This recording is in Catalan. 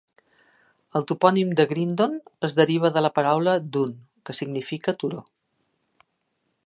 El topònim de "Grindon" es deriva de la paraula "dun", que significa turó.